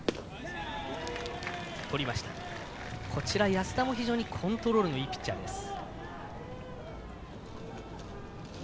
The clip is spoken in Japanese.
安田も非常にコントロールのいいピッチャーです。